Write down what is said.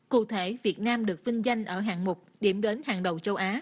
cụ thể việt nam được vinh danh ở hạng mục điểm đến hàng đầu châu á